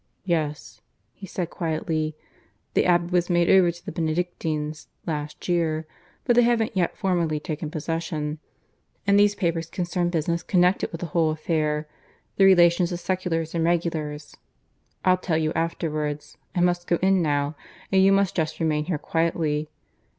"Yes," he said quietly. "The Abbey was made over again to the Benedictines last year, but they haven't yet formally taken possession. And these papers concern business connected with the whole affair the relations of seculars and regulars. I'll tell you afterwards. I must go in now, and you must just remain here quietly.